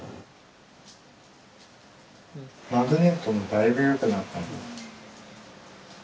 マグネットも、だいぶよくなった。